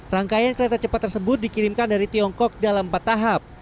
rangkaian kereta cepat tersebut dikirimkan dari tiongkok dalam empat tahap